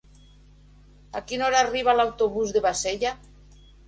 A quina hora arriba l'autobús de Bassella?